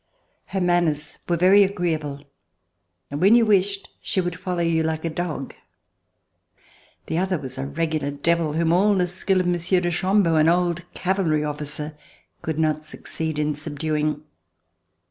Her manners were very agreeable, and when you wished, she would follow you like a dog. The other was a regular devil, whom all the skill of Monsieur de Chambeau, an old Cavalry officer, could not succeed in subduing.